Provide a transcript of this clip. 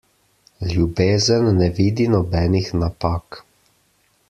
Ljubezen ne vidi nobenih napak.